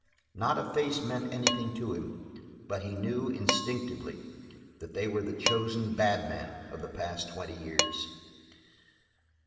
Not a face meant anything to him but he knew, instinctively, that they were the chosen bad men of the past twenty years.